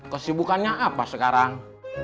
kesibukannya apa sekarang